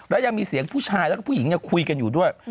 และยังมีเสียงผู้ชายแล้วก็ผู้หญิงคุยกันอยู่ด้วย